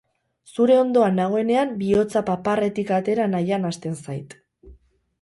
Zure ondoan nagoenean bihotza paparretik atera nahian hasten zait.